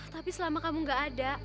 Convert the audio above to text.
tapi selama kamu gak ada